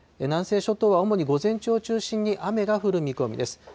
南西諸島は主に午前中を中心に雨が降る見込みです。